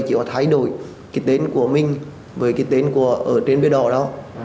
chỉ có thay đổi cái tên của mình với cái tên của ở trên bia đỏ đó